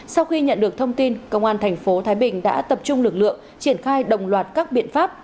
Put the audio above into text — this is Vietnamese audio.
sau khi nhận được thông tin công an thành phố thái bình đã tập trung lực lượng triển khai đồng loạt các biện pháp